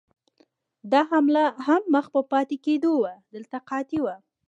دا حمله هم مخ په پاتې کېدو وه، دلته قحطي وه.